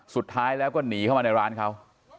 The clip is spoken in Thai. สุดท้ายแล้วก็หนีเข้ามาในร้านเขา